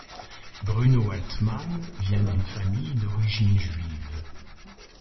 Bruno Altmann vient d'une famille d'origine juive.